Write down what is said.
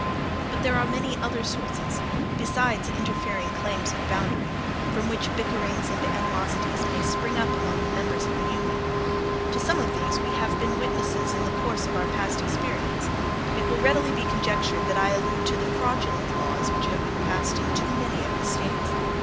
But there are many other sources, besides interfering claims of boundary, from which bickerings and animosities may spring up among the members of the Union. To some of these we have been witnesses in the course of our past experience. It will readily be conjectured that I allude to the fraudulent laws which have been passed in too many of the States.